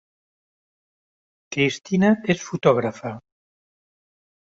Cristina és fotògrafa